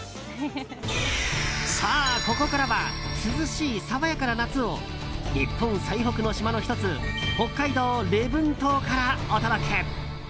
さあここからは涼しい爽やかな夏を日本最北の島の１つ北海道礼文島からお届け。